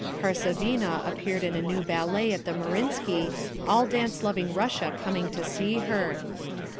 Karsavina appeared in a new Ballet at the Marinsky, all dance loving Russia coming to see her.